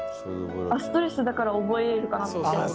ストレスだから覚えるかなって。